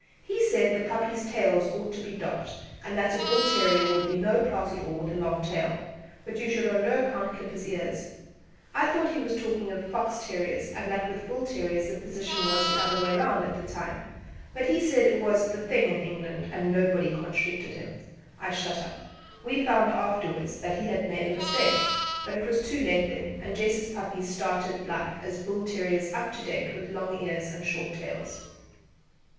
He said that the puppies' tails ought to be docked, and that a bull terrier would be no class at all with a long tail, but you should on no account clip his ears. I thought he was speaking of fox terriers, and that with bull terriers the position was the other way round, at that time; but as he said it was 'the thing' in England, and nobody contradicted him, I shut up. We found out after¬wards that he had made a mistake; but it was too late then, and Jess's puppies started life as bull terriers up to date, with long ears and short tails.